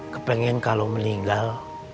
kepengen kalau meninggal